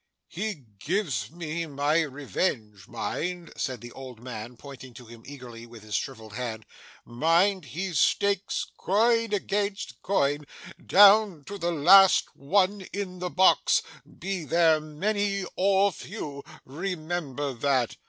'He gives me my revenge, mind,' said the old man, pointing to him eagerly with his shrivelled hand: 'mind he stakes coin against coin, down to the last one in the box, be there many or few. Remember that!